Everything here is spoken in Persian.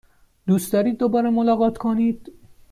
دوست دارید دوباره ملاقات کنید؟